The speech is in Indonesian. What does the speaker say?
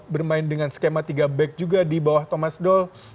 bermain dengan skema tiga back juga di bawah thomas doll